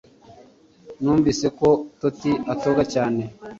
Numvise ko Toti atoga cyane